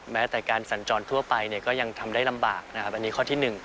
แม้แต่การสันจรทั่วไปก็ยังทำได้ลำบากอันนี้ข้อที่๑